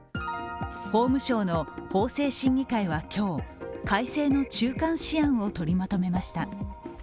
法務省の法制審議会は今日、改正の中間試案を取りまとめました。